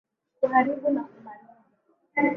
Kuharibu na kumaliza.